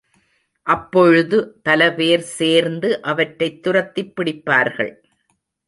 அப்பொழுது பலபேர் சேர்ந்து அவற்றைத் துரத்திப் பிடிப்பார்கள்.